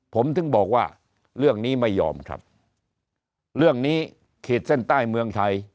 ผมถึงบอกว่าเรื่องนี้ไม่ยอมครับเรื่องนี้ขีดเส้นใต้เมืองไทย